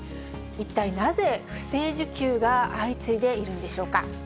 一体なぜ、不正受給が相次いでいるんでしょうか。